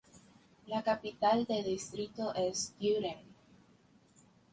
La capital de distrito es Düren.